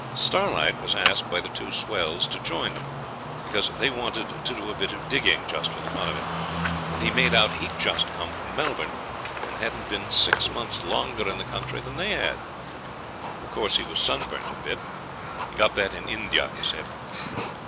Starlight was asked by the two swells to join them, because they wanted to do a bit of digging, just for the fun of it; and he made out he'd just come from Melbourne, and hadn't been six months longer in the country than they had. Of course he was sunburnt a bit. He got that in India, he said.